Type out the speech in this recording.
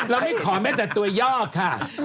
เราไม่ขอแม้แต่ตัวย่อค่ะ